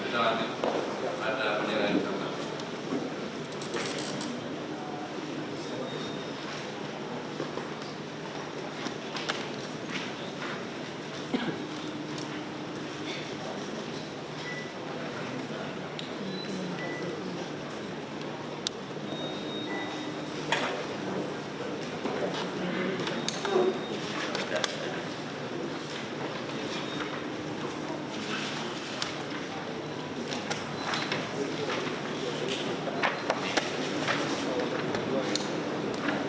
di situ disita atau ditandakan dan sebagainya kita bisa lanjut